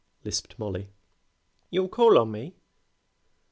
lisped Mollie. "You'll call on me?"